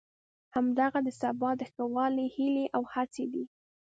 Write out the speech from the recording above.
همدغه د سبا د ښه والي هیلې او هڅې دي.